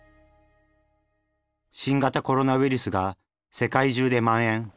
新型コロナウイルスが世界中でまん延。